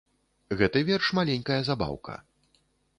Гэты верш маленькая забаўка.